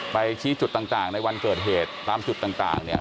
ชี้จุดต่างในวันเกิดเหตุตามจุดต่างเนี่ย